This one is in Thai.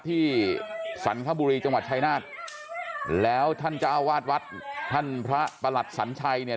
สันคบุรีจังหวัดชายนาฏแล้วท่านเจ้าวาดวัดท่านพระประหลัดสัญชัยเนี่ย